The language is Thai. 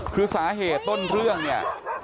คือสาเหตุต้นเรื่องเนี่ย